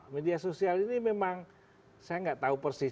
media sosial ini memang saya nggak tahu persis